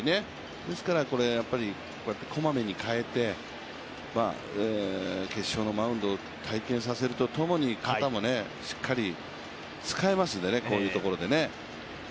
ですから、こまめに代えて、決勝のマウンドを体験させるとともに肩もしっかり使いますんでねこういうところでね。